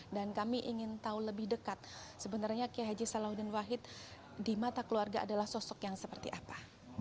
dan kami ingin tahu lebih dekat sebenarnya kiai haji salahuddin wahid di mata keluarga adalah sosok yang seperti apa